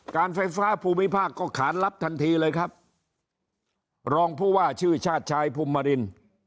การไฟฟ้าภูมิภาคก็ขานรับทันทีเลยครับรองผู้ว่าชื่อชาติชายภูมิมาริน